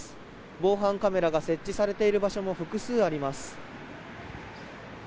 防犯カメラが設置されている場所も複数あります。